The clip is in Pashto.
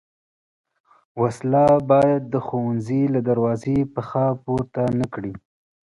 وسله باید د ښوونځي له دروازې پښه پورته نه کړي